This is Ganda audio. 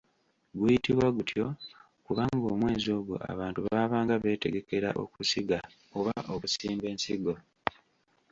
Guyitibwa gutyo kubanga omwezi ogwo abantu baabanga beetegekera okusiga oba okusimba ensigo.